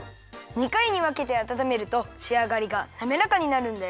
２かいにわけてあたためるとしあがりがなめらかになるんだよ。